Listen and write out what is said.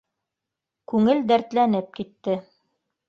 Күңел дәртләнеп китте.